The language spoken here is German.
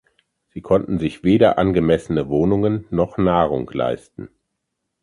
Sie konnten sich weder angemessene Wohnungen noch Nahrung leisten.